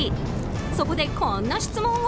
そこで、こんな質問を。